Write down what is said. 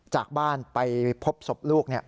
จากบ้านไปพบศพลูกเนี่ย